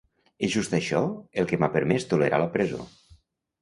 És just això el que m'ha permès tolerar la presó.